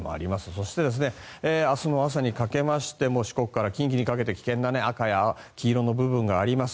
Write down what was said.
そして、明日の朝にかけましても四国から近畿にかけて危険な赤や黄色の部分があります。